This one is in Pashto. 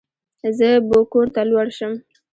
زه بو کور ته لوړ شم.